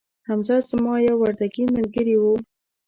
حمزه زما یو وردکې ملګري وو